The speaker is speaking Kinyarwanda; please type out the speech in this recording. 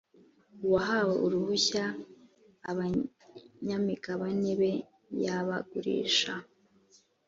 uwahawe uruhushya abanyamigabane be yabagurisha